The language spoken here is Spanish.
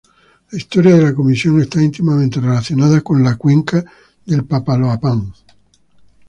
La historia de la Comisión está íntimamente relacionada con la Cuenca del Papaloapan.